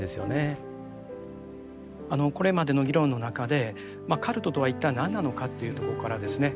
これまでの議論の中でカルトとは一体何なのかというとこからですね